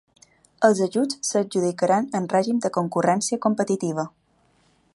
Els ajuts s’adjudicaran en règim de concurrència competitiva.